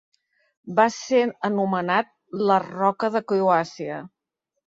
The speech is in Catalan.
Va ser anomenat la "Roca de Croàcia".